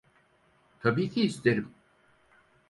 Tabii ki isterim.